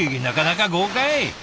なかなか豪快！